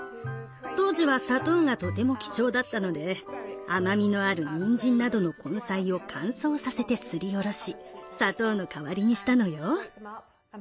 当時は砂糖がとても貴重だったので甘みのあるにんじんなどの根菜を乾燥させてすりおろし砂糖の代わりにしたのよ。